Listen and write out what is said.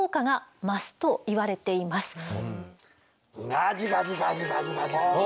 ガジガジガジガジガジ。